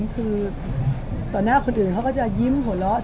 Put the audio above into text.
คือต่อหน้าคนอื่นเขาก็จะยิ้มหัวเราะ